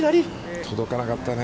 届かなかったね。